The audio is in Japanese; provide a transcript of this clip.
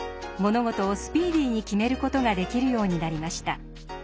物事をスピーディーに決める事ができるようになりました。